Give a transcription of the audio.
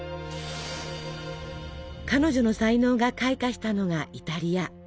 彼女の才能が開花したのがイタリア。